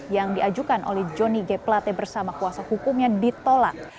yang diajukan oleh johnny g plate bersama kuasa hukumnya ditolak